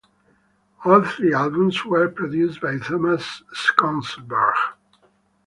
All three albums were produced by Tomas Skogsberg.